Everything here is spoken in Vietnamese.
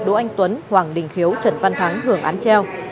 đỗ anh tuấn hoàng đình khiếu trần văn thắng hưởng án treo